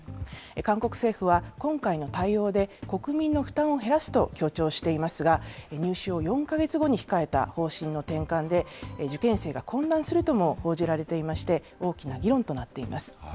韓国政府は、今回の対応で、国民の負担を減らすと強調していますが、入試を４か月後に控えた方針の転換で、受験生が混乱するとも報じられていまして、大きな議論となっています。